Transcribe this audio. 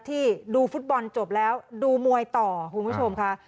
ที่ดูฟุตบอลจบแล้วดูมวยต่อคุณผู้ชมค่ะ